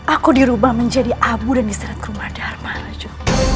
aku dirubah menjadi abu dan diseret ke rumah dharma raju